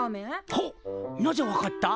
ほっなぜわかった？